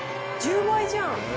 １０倍じゃん。